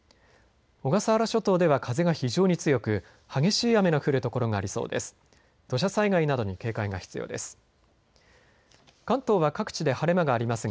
小笠原諸島では風が非常に強く激しい雨の降る所がありそうです。